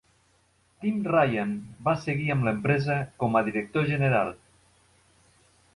Tim Ryan va seguir amb l'empresa com a director general.